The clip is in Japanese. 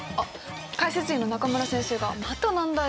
解説委員の中村先生がまた難題を。